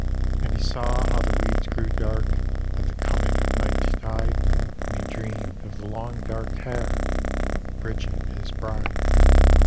And he saw how the weeds grew dark At the coming of night tide, And he dreamed of the long dark hair Of Bridget his bride.